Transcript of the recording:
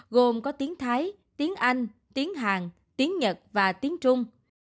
gồm có tiếng thái tiếng anh tiếng hàn tiếng nhật và tiếng trung